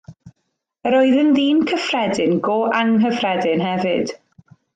Yr oedd yn ddyn cyffredin go anghyffredin hefyd.